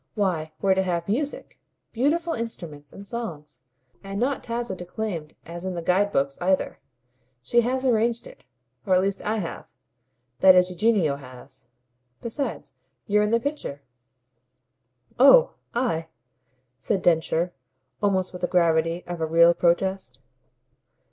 Why we're to have music beautiful instruments and songs; and not Tasso declaimed as in the guide books either. She has arranged it or at least I have. That is Eugenio has. Besides, you're in the picture." "Oh I!" said Densher almost with the gravity of a real protest.